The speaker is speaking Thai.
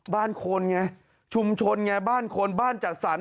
บ้านคนไงชุมชนไงบ้านคนบ้านจัดสรร